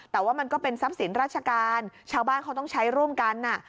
แต่ว่ามันก็เป็นทรัพย์สินราชการชาวบ้านเขาต้องใช้ร่วมกัน